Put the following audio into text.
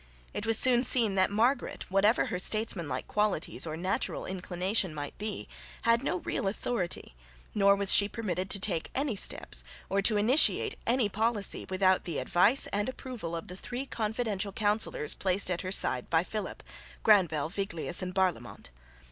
It was soon seen that Margaret, whatever her statesmanlike qualities or natural inclination might be, had no real authority, nor was she permitted to take any steps or to initiate any policy without the advice and approval of the three confidential councillors placed at her side by Philip Granvelle, Viglius and Barlaymont.